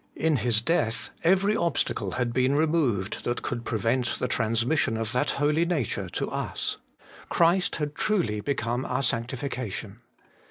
In His death every obstacle had been removed that could prevent the transmission of that holy nature to us : Christ had truly become our sanctification.